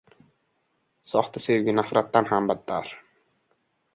Soxta sevgi nafratdan ham battar.